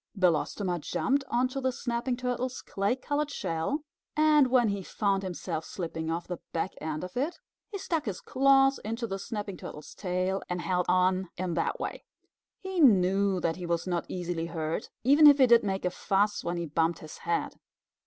Belostoma jumped onto the Snapping Turtle's clay colored shell, and when he found himself slipping off the back end of it, he stuck his claws into the Snapping Turtle's tail and held on in that way. He knew that he was not easily hurt, even if he did make a fuss when he bumped his head.